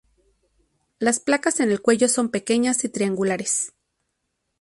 Las placas en el cuello son pequeñas y triangulares.